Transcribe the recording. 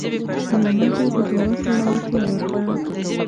مېلمه ته د دعا زړورتیا ورکړه.